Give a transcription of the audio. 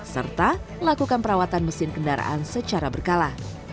serta melakukan perawatan mesin kendaraan secara berkala